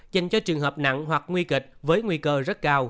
dành cho trường hợp nặng hoặc nguy kịch với nguy cơ rất cao